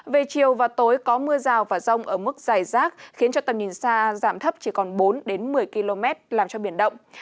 về chiều và tối có mưa rào và rông ở mức dài rác khiến cho tầm nhìn xa giảm thấp chỉ còn bốn đến một mươi km làm cho biển động